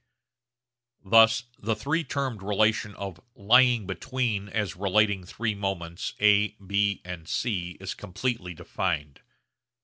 Thus the three termed relation of 'lying between' as relating three moments A, B, and C is completely defined.